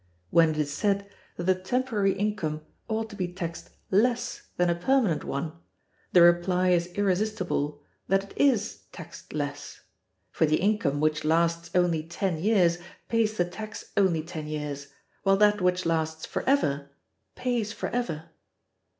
When it is said that a temporary income ought to be taxed less than a permanent one, the reply is irresistible that it is taxed less: for the income which lasts only ten years pays the tax only ten years, while that which lasts forever pays forever.